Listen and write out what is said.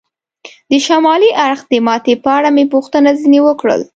د شمالي اړخ د ماتې په اړه مې پوښتنه ځنې وکړل.